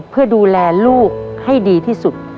เพื่อดูแลลูกให้ดีที่สุด